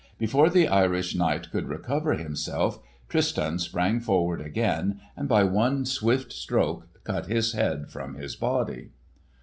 Before the Irish knight could recover himself, Tristan sprang forward again and by one swift stroke cut his head from his body.